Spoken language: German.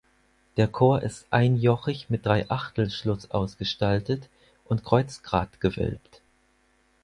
Der Chor ist einjochig mit Dreiachtelschluss ausgestaltet und kreuzgratgewölbt.